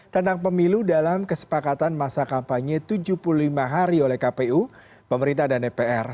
tentang pemilu dalam kesepakatan masa kampanye tujuh puluh lima hari oleh kpu pemerintah dan dpr